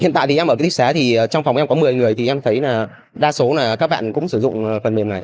hiện tại thì em ở cái thích xá thì trong phòng em có một mươi người thì em thấy là đa số là các bạn cũng sử dụng phần mềm này